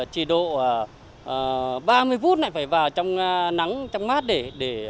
chỉ độ ba mươi phút lại phải vào trong nắng trong mát để